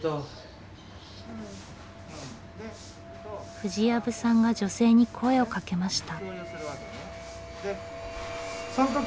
藤藪さんが女性に声をかけました。